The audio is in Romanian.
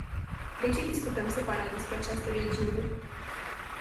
De ce discutăm separat despre această regiune?